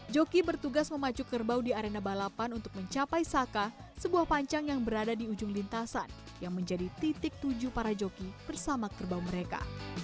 joki bertugas memacu kerbau di arena balapan untuk mencapai saka sebuah pancang yang berada di ujung lintasan yang menjadi titik tujuh para joki bersama kerbau mereka